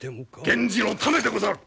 源氏のためでござる！